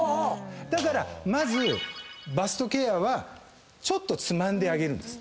だからまずバストケアはちょっとつまんであげるんです。